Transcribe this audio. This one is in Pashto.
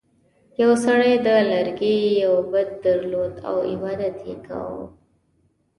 یو سړي د لرګي یو بت درلود او عبادت یې کاوه.